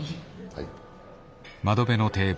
はい。